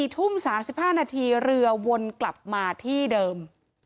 ๔ทุ่ม๓๕นเหลือวนกลับมาที่เดิม